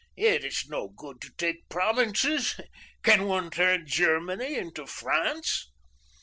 It is no good to take provinces. Can one turn Germany into France?